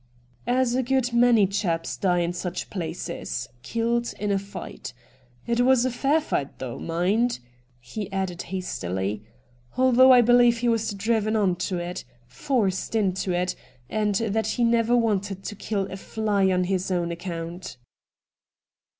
' As a good many chaps die in such places — killed in a fight. It was a fair fight though, mind,' he added hastily, ' although I believe he was driven on to it — forced into it — and that he never wanted to kill a fly on his own account.'